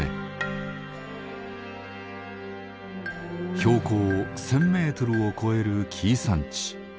標高１，０００ｍを超える紀伊山地。